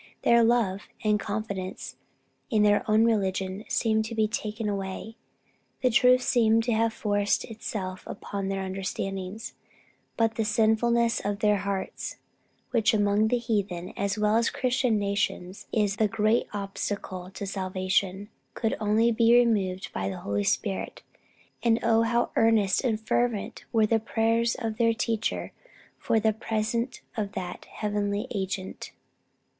Their love for, and confidence in their own religion seemed to be taken away; the truth seemed to have forced itself upon their understandings; but the sinfulness of their hearts, which among heathen as well as Christian nations is the great obstacle to salvation, could only be removed by the Holy Spirit, and oh how earnest and fervent were the prayers of their teacher for the presence of that heavenly agent!